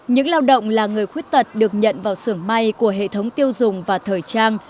những lao động là người khuyết tật được nhận vào sưởng may của hệ thống tiêu dùng và thời trang